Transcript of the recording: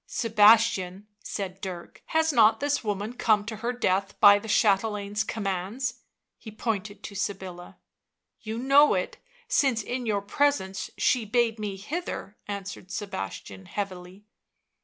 Sebastian," said Dirk, " has not this woman come to her death by the chatelaine's commands ?" He pointed to Sybilla. " You know it, since in your presence she bade me hither," answered Sebastian heavily.